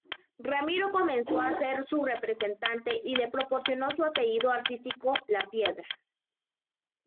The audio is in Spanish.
Ramiro comenzó a ser su representante y le proporcionó su apellido artístico, "Lapiedra".